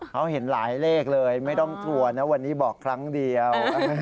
เขาเห็นหลายเลขเลยไม่ต้องกลัวนะวันนี้บอกครั้งเดียว